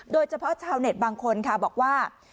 โดยเฉพาะชาวเน็ตบางคนค่ะบอกว่า